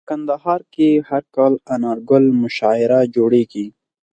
په کندهار کي هر کال انارګل مشاعره جوړیږي.